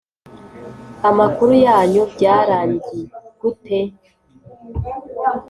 Amakuru yanyu byarangi gute